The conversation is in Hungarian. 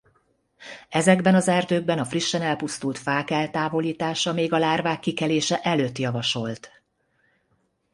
Ezekben az erdőkben a frissen elpusztult fák eltávolítása még a lárvák kikelése előtt javasolt.